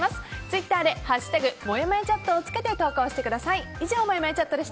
ツイッターで「＃もやもやチャット」をつけて投稿してください。